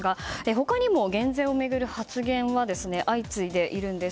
他にも減税を巡る発言は相次いでいるんです。